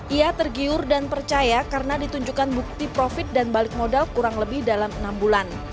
ia tergiur dan percaya karena ditunjukkan bukti profit dan balik modal kurang lebih dalam enam bulan